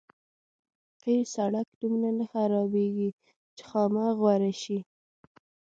قیر سړک دومره نه خرابېږي چې خامه غوره شي.